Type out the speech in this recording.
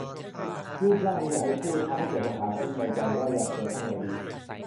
รูปร่างนี่อย่าให้พูด ทำให้เกิดคำถามขึ้นในใจว่า อยากสวยทำไงดี